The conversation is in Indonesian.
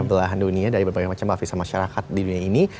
belahan dunia dari berbagai macam lapisan masyarakat di dunia ini